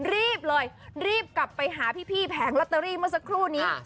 รีบเลยรีบกลับไปหาพี่แผงลอตเตอรี่เมื่อสักครู่นี้